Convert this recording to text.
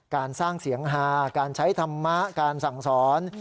การสร้างเสียงฮาการใช้ธรรมะการสั่งสอน